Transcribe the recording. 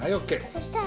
そしたら？